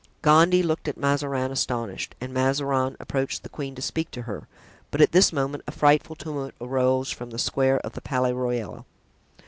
Gondy looked at Mazarin, astonished, and Mazarin approached the queen to speak to her, but at this moment a frightful tumult arose from the square of the Palais Royal.